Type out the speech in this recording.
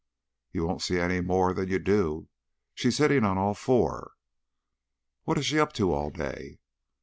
"You won't see any more than you do. She's hitting on all four." "What is she up to all day?"